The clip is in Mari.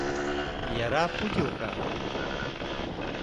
ЯРА ПУТИЛКА